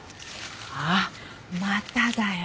あっまただよ。